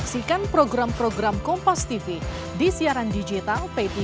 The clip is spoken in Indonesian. bukan menangkapi statementnya pak said tadi